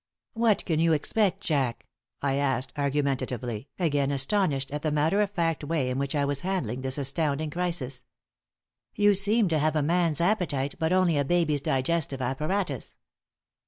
"What can you expect, Jack?" I asked, argumentatively, again astonished at the matter of fact way in which I was handling this astounding crisis. "You seem to have a man's appetite but only a baby's digestive apparatus."